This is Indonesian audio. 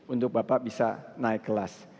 untuk bapak bisa naik kelas